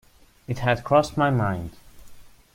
It had crossed my mind.